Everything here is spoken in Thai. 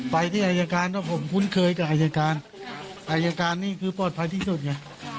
ไปที่อายการว่าผมคุ้นเคยกับอายการอายการนี่คือปลอดภัยที่สุดไง